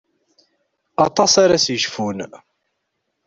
Aṭas ara s-yecfun.